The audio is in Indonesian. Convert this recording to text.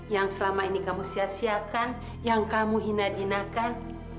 yang selama ini kamu sia siakan yang kamu hinadinakan